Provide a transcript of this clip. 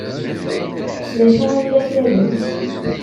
D acu ay la ttarunt?